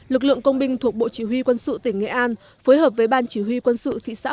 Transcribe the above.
lực lượng công binh thuộc bộ chỉ huy quân sự tỉnh nghệ an phối hợp với ban chỉ huy quân sự thị xã